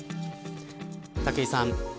武井さん